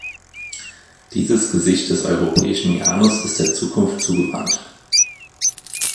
Dieses Gesicht des europäischen Janus ist der Zukunft zugewandt.